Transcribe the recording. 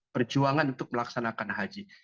perjuangan untuk melaksanakan haji